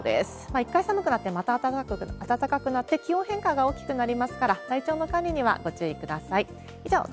いったん寒くなって、また暖かくなって、気温変化が大きくなりますから、体調の管理にはご注意ください。